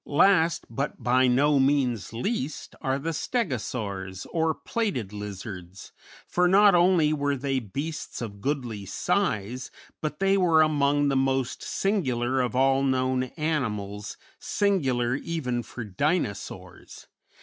Last, but by no means least, are the Stegosaurs, or plated lizards, for not only were they beasts of goodly size, but they were among the most singular of all known animals, singular even for Dinosaurs.